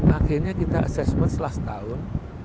akhirnya kita assessment setelah setahun